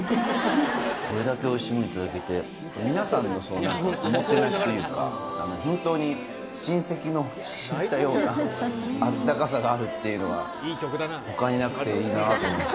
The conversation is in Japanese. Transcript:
これだけおいしいもの頂けて、皆さんのおもてなしというか、本当に親戚の家に行ったようなあったかさがあるっていうのが、ほかになくていいなと思って。